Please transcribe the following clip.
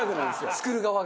作る側が？